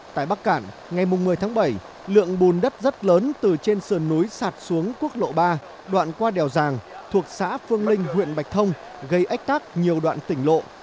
tại bắc cạn ngày một mươi tháng bảy lượng bùn đất rất lớn từ trên sườn núi sạt xuống quốc lộ ba đoạn qua đèo giàng thuộc xã phương linh huyện bạch thông gây ách tắc nhiều đoạn tỉnh lộ